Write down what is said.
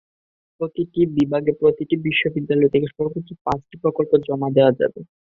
প্রতি বিভাগে প্রতিটি বিশ্ববিদ্যালয় থেকে সর্বোচ্চ পাঁচটি প্রকল্প জমা দেওয়া যাবে।